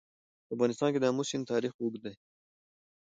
په افغانستان کې د آمو سیند تاریخ اوږد دی.